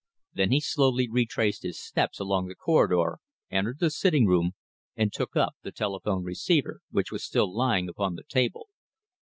Then he slowly retraced his steps along the corridor, entered the sitting room, and took up the telephone receiver, which was still lying upon the table.